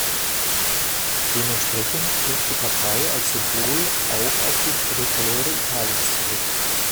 Dementsprechend griff die Partei als Symbol auch auf die Trikolore Italiens zurück.